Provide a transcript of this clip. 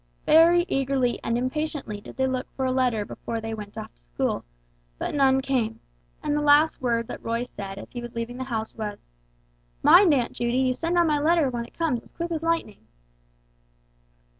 Very eagerly and impatiently did they look for a letter before they went off to school, but none came; and the last word that Roy said as he was leaving the house was, "Mind, Aunt Judy, you send on my letter when it comes as quick as lightning!"